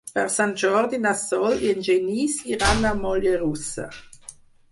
Per Sant Jordi na Sol i en Genís iran a Mollerussa.